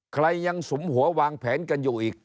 ใครยังสุมหัววางแผนกันอยู่อีก